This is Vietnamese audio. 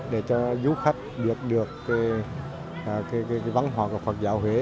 để giúp khách biết được văn hóa của phật giáo huế